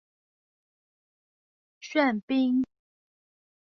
玄彬